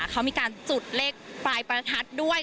เขามีการจุดเลขปลายประทัดด้วย